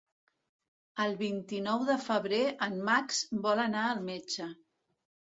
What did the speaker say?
El vint-i-nou de febrer en Max vol anar al metge.